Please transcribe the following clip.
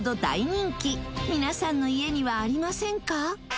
皆さんの家にはありませんか？